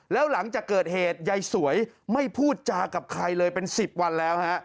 แล้วหลังจากเกิดเหตุยายสวยไม่พูดจากับใครเลยเป็น๑๐วันแล้วฮะ